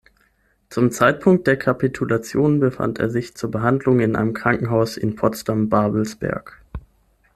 Zum Zeitpunkt der Kapitulation befand er sich zur Behandlung in einem Krankenhaus in Potsdam-Babelsberg.